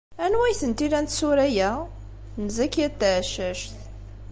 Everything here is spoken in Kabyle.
Anwa ay tent-ilan tsura-a? N Zakiya n Tɛeccact.